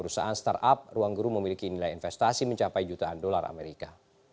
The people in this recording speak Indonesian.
perusahaan startup ruangguru memiliki nilai investasi mencapai jutaan dolar amerika